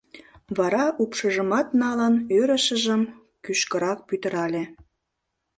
Вара упшыжымат налын, ӧрышыжым кӱшкырак пӱтырале.